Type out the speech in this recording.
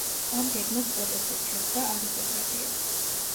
ამ გეგმას პროტესტით შეხვდა არისტოკრატიაც.